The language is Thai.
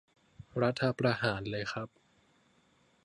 รัฐประหารเลยครับ